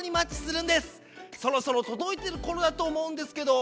そろそろとどいてるころだとおもうんですけど。